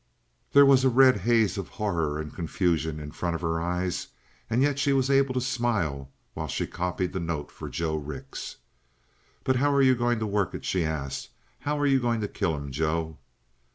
There was a red haze of horror and confusion in front of her eyes, and yet she was able to smile while she copied the note for Joe Rix. "But how are you going to work it?" she asked. "How are you going to kill him, Joe?"